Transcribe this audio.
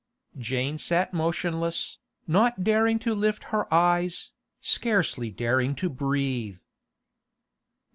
Jane sat motionless, not daring to lift her eyes, scarcely daring to breathe.